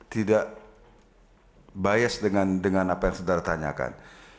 tidak bias dengan apa yang saudara tanyakan